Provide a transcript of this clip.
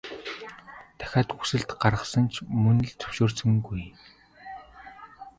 Дахиад хүсэлт гаргасан ч мөн л зөвшөөрсөнгүй.